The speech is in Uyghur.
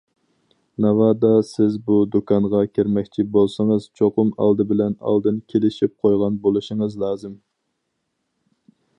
ناۋادا سىز بۇ دۇكانغا كىرمەكچى بولسىڭىز، چوقۇم ئالدى بىلەن ئالدىن كېلىشىپ قويغان بولۇشىڭىز لازىم.